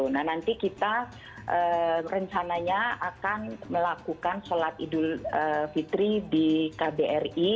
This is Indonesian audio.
nah nanti kita rencananya akan melakukan sholat idul fitri di kbri